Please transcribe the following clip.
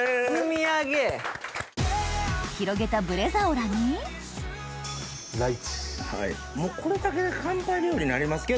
広げたブレザオラにもうこれだけで乾杯料理になりますけどね。